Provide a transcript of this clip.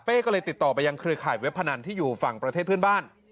ก็เลยติดต่อไปยังเครือข่ายเว็บพนันที่อยู่ฝั่งประเทศเพื่อนบ้าน